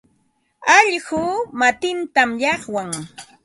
Allquu matintam llaqwan.